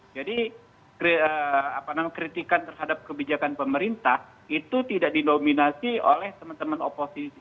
jadi kritikan terhadap kebijakan pemerintah itu tidak didominasi oleh teman teman oposisi